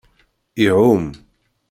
Iɛum.